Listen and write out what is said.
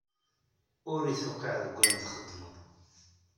Ur yi-tewqiɛ deg ayen txeddmeḍ.